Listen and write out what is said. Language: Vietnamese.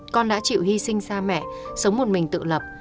con đã chịu hy sinh xa mẹ sống một mình tự lập